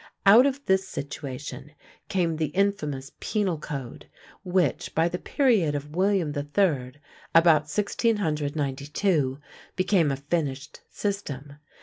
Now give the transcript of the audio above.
Out of this situation came the infamous Penal Code, which, by the period of William the Third, about 1692, became a finished system.